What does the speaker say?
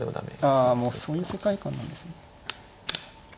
あもうそういう世界観なんですね。